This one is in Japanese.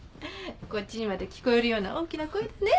こっちにまで聞こえるような大きな声だねえ